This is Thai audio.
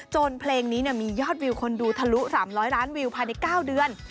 เพลงนี้มียอดวิวคนดูทะลุ๓๐๐ล้านวิวภายใน๙เดือน